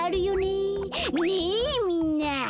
ねえみんな。